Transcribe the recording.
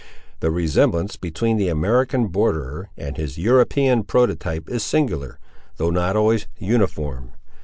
The resemblance between the American borderer and his European prototype is singular, though not always uniform.